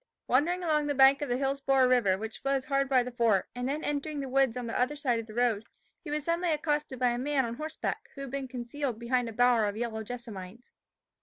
Wandering along the bank of the Hillsborough river, which flows hard by the fort, and then entering the woods on the other side of the road, he was suddenly accosted by a man on horseback, who had been concealed behind a bower of yellow jessamines.